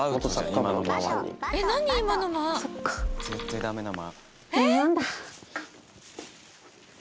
絶対ダメな間。